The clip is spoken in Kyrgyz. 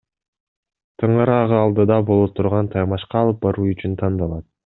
Тыңыраагы алдыда боло турган таймашка алып баруу үчүн тандалат.